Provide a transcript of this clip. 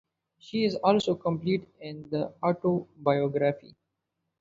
She has also completed an autobiography.